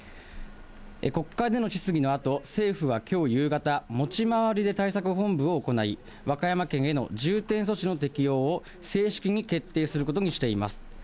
国会での質疑のあと、政府はきょう夕方、持ち回りで対策本部を行い、和歌山県への重点措置の適用を正式に決定することにしています。